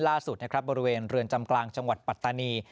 และก็คาดว่าอีกสักครู่นะคะก็คงจะมีการจัดชุดเจรจาที่จะเข้าไป